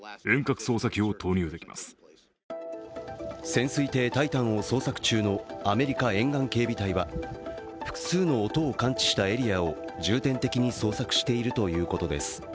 潜水艇「タイタン」を捜索中のアメリカ沿岸警備隊は複数の音を感知したエリアを重点的に捜索しているということです。